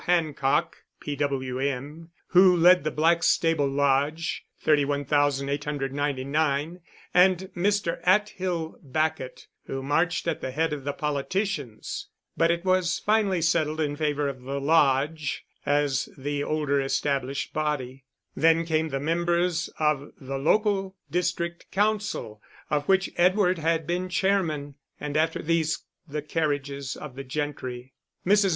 Hancock (P.W.M.), who led the Blackstable Lodge (31,899), and Mr. Atthill Bacot, who marched at the head of the politicians; but it was finally settled in favour of the Lodge, as the older established body. Then came the members of the Local District Council, of which Edward had been chairman, and after these the carriages of the gentry. Mrs.